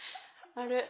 あれ？